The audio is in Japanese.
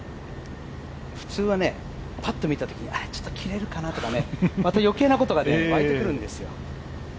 普通は、パッと見たときちょっと切れるかなとかね、ちょっと余計なことが湧いてくるんですよ。